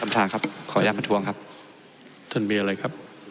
ท่านครับขออนุญาตประท้วงครับท่านมีอะไรครับ